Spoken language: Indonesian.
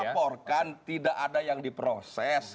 semua dilaporkan tidak ada yang diproses